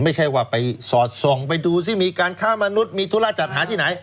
ไม่ใช่ว่าไปสอดส่องไปดูซิมีการค้ามนุษย์มีธุระจัดหาที่ไหน